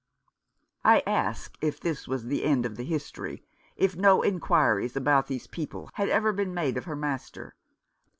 I asked if this was the end of the history — if no inquiries about these people had ever been made of her master.